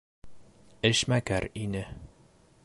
Эшмәкәр ине.